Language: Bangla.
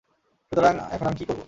সুতরাং এখন আমি কি করব?